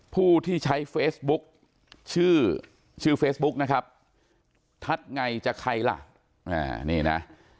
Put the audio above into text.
ผู้ที่ใช้เฟซบุ๊กชื่อชื่อเฟซบุ๊กนะครับทัศน์ไงจะใครล่ะนี่นะ